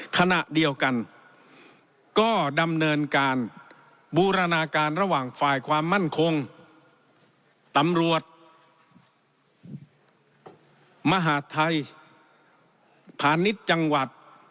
ขณะเดียวกันก็ดำเนินการบูรณาการระหว่างฝ่ายความมั่นคงตำรวจมหาดไทยพาณิชย์จังหวัด